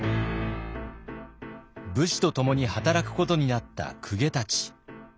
武士とともに働くことになった公家たち。